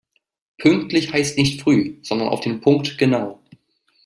Pünktlich heißt nicht früh, sondern auf den Punkt genau.